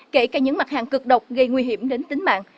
kể cả những mặt hàng cực độc gây nguy hiểm đến tính mạng